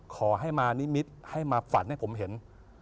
ขอให้มานิมิตให้มาฝันให้ผมเห็น